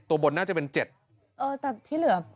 ตัวบนน่าจะเป็นเจ็ดเออแต่ที่เหลือไม่ออก